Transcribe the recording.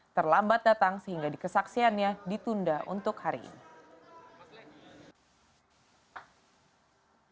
terlambat datang sehingga dikesaksiannya ditunda untuk hari ini